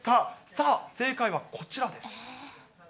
さあ、正解はこちらです。